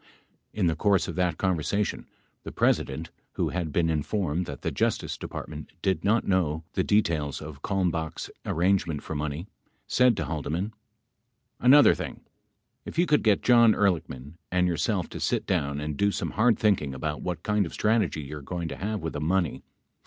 In the course of that conversation, the President, who had been informed that the Justice Department did not know the details of Kalmbach's arrangement for money, said to Haldeman : Another thing, if you could get John [Ehrlichman] and yourself to sit down and do some hard thinking about what kind of strategy you are going to have with the money.